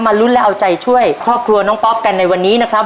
ลุ้นและเอาใจช่วยครอบครัวน้องป๊อปกันในวันนี้นะครับ